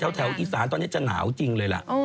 แถวอีสานตอนนี้จะหนาวจริงเลยล่ะ